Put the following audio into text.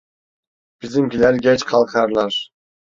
Bizimkiler geç kalkarlar!